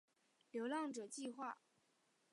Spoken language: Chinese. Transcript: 流浪者计画